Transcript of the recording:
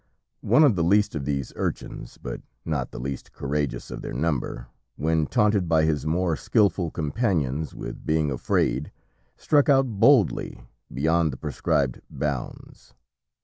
One of the least of these urchins, but not the least courageous of their number, when taunted by his more skilful companions with being afraid, struck out boldly beyond the prescribed bounds.